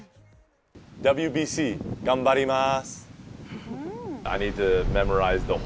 ＷＢＣ頑張ります！